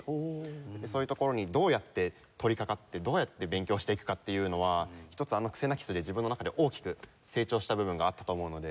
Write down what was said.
そういうところにどうやって取り掛かってどうやって勉強していくかっていうのは一つあのクセナキスで自分の中で大きく成長した部分があったと思うので。